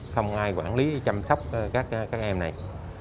không ai quản lý chăm sóc các em này